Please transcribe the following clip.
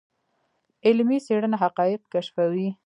علمي څېړنه حقایق کشفوي.